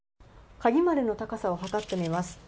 鍵までの高さを測ってみます。